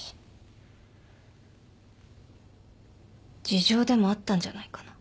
事情でもあったんじゃないかな。